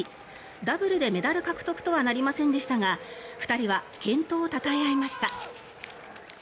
ダブルでメダル獲得とはなりませんでしたが２人は健闘をたたえ合いました。